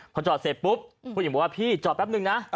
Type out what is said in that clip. พอจอดเสร็จปุ๊บผู้หญิงบอกว่าพี่จอดแป๊บนึงนะ